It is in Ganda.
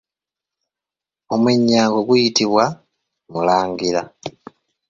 Omwennyango guyitibwa Mulangira.